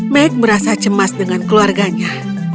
meke merasa cemas dengan keluarganya